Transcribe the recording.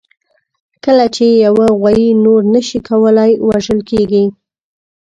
کله چې یوه غویي نور نه شي کولای، وژل کېږي.